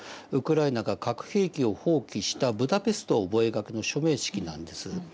ウクライナが核兵器を放棄したブダペスト覚書の署名式なんです。